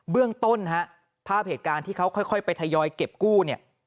เบื้องต้นภาพเหตุการณ์ที่เขาค่อยไปถยอยเก็บกู้